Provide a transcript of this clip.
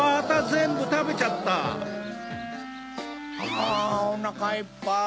あぁおなかいっぱい。